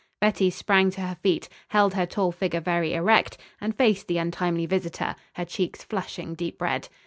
Betty sprang to her feet, held her tall figure very erect, and faced the untimely visitor, her cheeks flushing deep red.